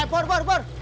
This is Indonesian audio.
eh pur pur pur